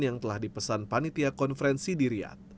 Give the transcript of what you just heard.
yang telah dipesan panitia konferensi di riyad